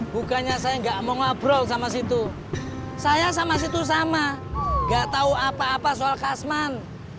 bukannya saya nggak mau ngobrol sama situ saya sama situ sama nggak tahu apa apa soal kasman